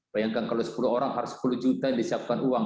bayangkan kalau sepuluh orang harus sepuluh juta yang disiapkan uang